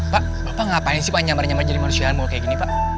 pak bapak ngapain sih pak nyamar nyamar jadi manusia harimau kayak gini pak